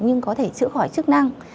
nhưng có thể chữa khỏi chức năng